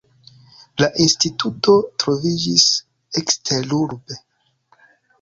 La instituto troviĝis eksterurbe.